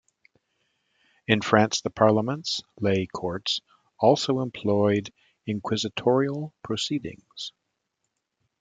In France, the "parlements" - lay courts - also employed inquisitorial proceedings.